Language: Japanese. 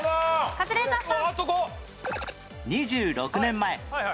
カズレーザーさん。